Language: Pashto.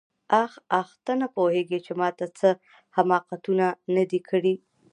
آخ آخ ته نه پوهېږې چې ما څه حماقتونه نه دي کړي.